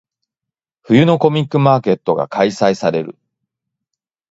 冬のコミックマーケットが開催される。